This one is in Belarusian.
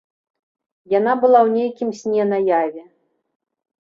Яна была ў нейкім сне наяве.